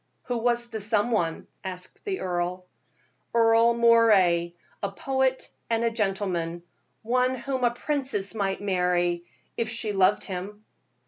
"Who was the some one?" asked the earl. "Earle Moray, a poet and a gentleman one whom a princess might marry, if she loved him."